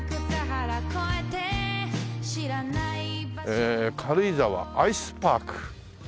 へえ「軽井沢アイスパーク」。